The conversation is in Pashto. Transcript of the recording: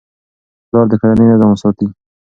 پلار د کورنۍ نظم ساتي.